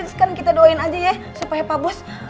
sekarang kita doain aja ya supaya pak bos